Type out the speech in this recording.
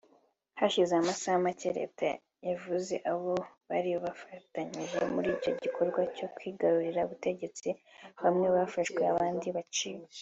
Hashize amasaha make leta yavuze abo bari bafatanije muri icyo gikorwa cyo kwigarurira ubutegetsi bamwe bafashwe abandi baricwa